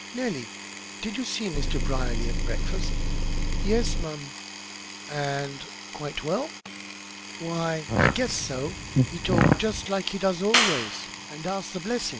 "Nellie, did you see Mr. Brierly at breakfast?" "Yes'm!" "And quite well?" "Why I guess so. He talked just like he does always, and asked the blessin'.